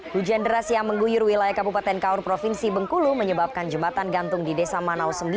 hujan deras yang mengguyur wilayah kabupaten kaur provinsi bengkulu menyebabkan jembatan gantung di desa manau sembilan